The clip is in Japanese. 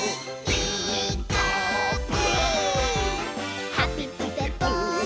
「ピーカーブ！」